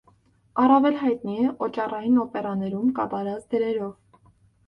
Առավել հայտնի է օճառային օպերաներում կատարած դերերով։